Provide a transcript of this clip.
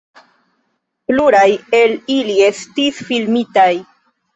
Pluraj el ili estis filmitaj.